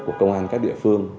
của công an các địa phương